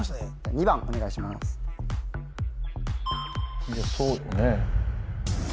２番お願いしますでそうよね